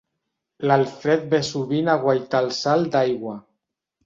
L'Alfred ve sovint a guaitar el salt d'aigua.